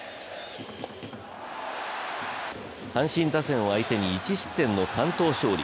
阪神打線を相手に１失点の完投勝利。